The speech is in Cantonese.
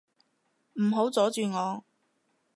唔好阻住我